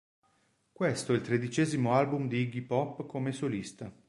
Questo è il tredicesimo album di Iggy Pop come solista.